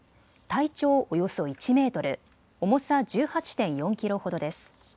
体長およそ１メートル重さ１８．４キロほどです。